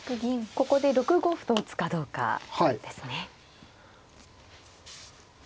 ここで６五歩と打つかどうかですね。